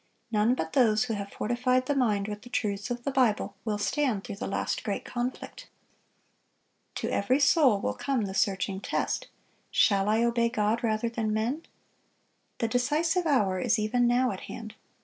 None but those who have fortified the mind with the truths of the Bible will stand through the last great conflict. To every soul will come the searching test, Shall I obey God rather than men? The decisive hour is even now at hand.